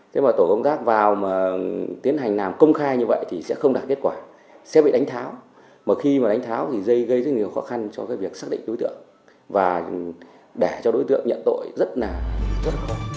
thế mà tổ công tác vào mà tiến hành làm công khai như vậy thì sẽ không đạt kết quả sẽ bị đánh tháo mà khi mà đánh tháo thì dây gây rất nhiều khó khăn cho cái việc xác định đối tượng và để cho đối tượng nhận tội rất là khó